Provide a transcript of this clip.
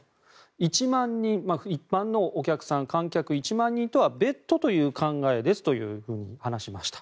１万人、一般のお客さん観客１万人とは別途という考え方だと示しました。